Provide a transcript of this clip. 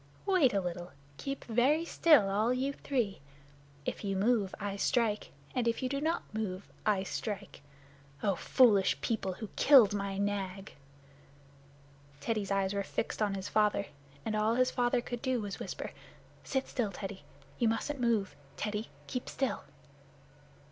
Wait a little. Keep very still, all you three! If you move I strike, and if you do not move I strike. Oh, foolish people, who killed my Nag!" Teddy's eyes were fixed on his father, and all his father could do was to whisper, "Sit still, Teddy. You mustn't move. Teddy, keep still."